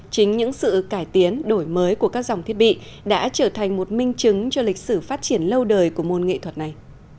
chính những sự cải tiến đổi mới của các dòng thiết bị đã trở thành một minh chứng cho lịch sử phát triển lâu đời của môn nghệ thuật này